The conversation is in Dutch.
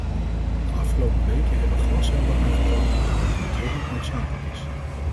De afgelopen weken hebben glashelder aangetoond waarom dit dringend noodzakelijk is.